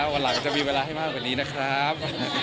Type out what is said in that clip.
วันหลังจะมีเวลาให้มากกว่านี้นะครับ